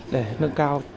để nâng cao